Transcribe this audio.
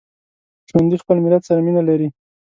ژوندي خپل ملت سره مینه لري